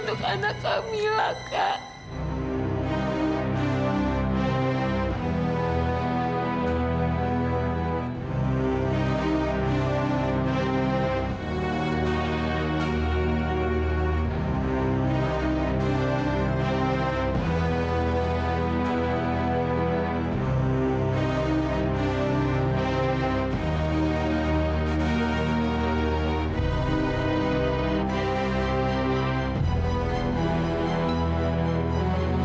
dan ibu yang baikku